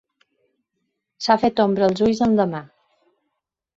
S'ha fet ombra als ulls am la mà.